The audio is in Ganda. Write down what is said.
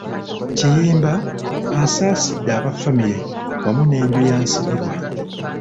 Kiyimba, asaasidde abafamire wamu n'enju ya Nsibirwa.